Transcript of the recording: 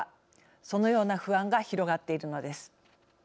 そのような不安が広がっているのです。